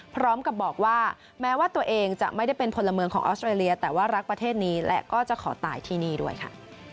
พร้อมกับบอกว่าแม้ว่าตัวเองจะไม่ได้เป็นพลเมืองของออสเตรเลียแต่ว่ารักประเทศนี้และก็จะขอตายที่นี่ด้วยค่ะ